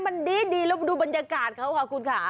มันดีแล้วดูบรรยากาศเขาค่ะคุณค่ะ